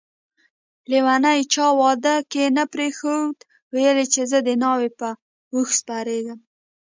لیونی چا واده کی نه پریښود ده ويل چي زه دناوی په اوښ سپریږم